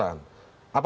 apa pak yang dipermainkan